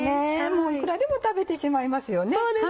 もういくらでも食べてしまいますよね。